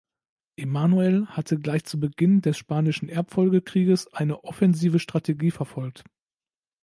Emanuel hatte gleich zu Beginn des Spanischen Erbfolgekrieges eine offensive Strategie verfolgt.